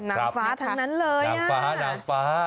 นางฟ้าทั้งนั้นเลยนางฟ้านางฟ้า